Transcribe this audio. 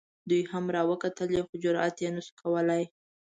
دوی هم را وکتلې خو جرات یې نه شو کولی.